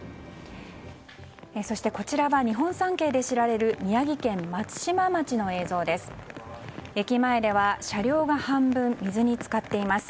そして、こちらは日本三景で知られる宮城県松島町の映像です。